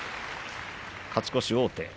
勝ち越し王手。